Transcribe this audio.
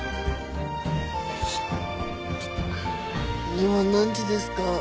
今何時ですか？